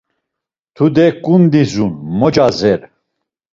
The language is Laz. Tude ǩundi dzun, mo cazer!